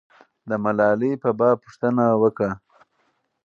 د ملالۍ په باب پوښتنه وکړه.